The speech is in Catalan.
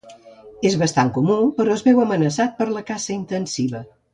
És bastant comú però es veu amenaçat per la caça intensiva.